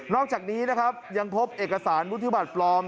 อกจากนี้นะครับยังพบเอกสารวุฒิบัตรปลอม